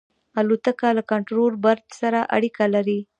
الوتکه له کنټرول برج سره اړیکه لري.